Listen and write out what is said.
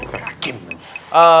terima kasih pak dubez